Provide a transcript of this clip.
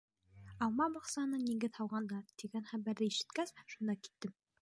«Алма баҡсаһына нигеҙ һалғандар» тигән хәбәрҙе ишеткәс, шунда киттем.